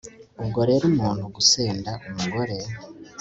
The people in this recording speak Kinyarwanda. ubwo rero umuntu gusenda umugore